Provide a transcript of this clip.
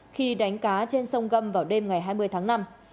khi đánh cá trên sông gâm vào đêm ngày hai mươi tháng năm